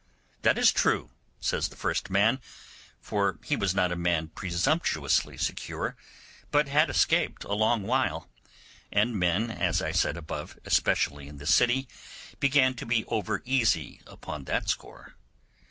'That is true', says the first man, for he was not a man presumptuously secure, but had escaped a long while—and men, as I said above, especially in the city began to be over easy upon that score.